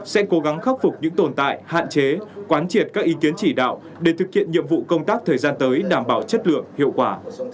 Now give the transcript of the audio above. sẽ cố gắng khắc phục những tồn tại hạn chế quán triệt các ý kiến chỉ đạo để thực hiện nhiệm vụ công tác thời gian tới đảm bảo chất lượng hiệu quả